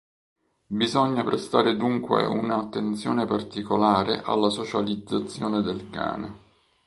Bisogna prestare dunque una attenzione particolare alla socializzazione del cane.